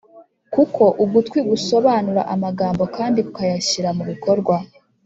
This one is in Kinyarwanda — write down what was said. Kuko ugutwi gusobanura amagambo kandi kukayashyira mu bikorwa